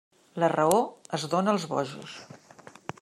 La raó es dóna als bojos.